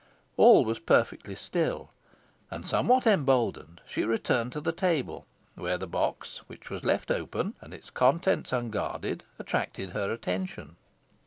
All was perfectly still; and somewhat emboldened, she returned to the table, where the box, which was left open and its contents unguarded, attracted her attention.